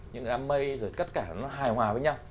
những cái đám mây rồi tất cả nó hài hòa với nhau